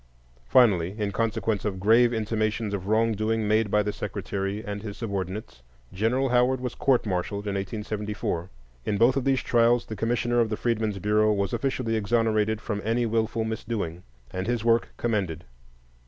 Finally, in consequence of grave intimations of wrong doing made by the Secretary and his subordinates, General Howard was court martialed in 1874. In both of these trials the Commissioner of the Freedmen's Bureau was officially exonerated from any wilful misdoing, and his work commended.